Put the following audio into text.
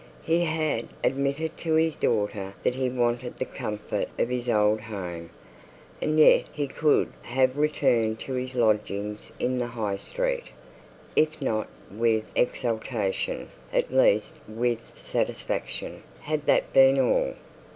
He had admitted to his daughter that he wanted the comfort of his old home, and yet he could have returned to his lodgings in the High Street, if not with exultation, at least with satisfaction, had that been all.